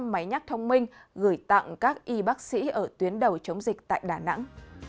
để sản xuất một trăm linh máy nhắc thông minh gửi tặng các y bác sĩ ở tuyến đầu chống dịch tại đà nẵng